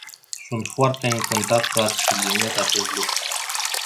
Sunt foarte încântat că ați subliniat acest lucru.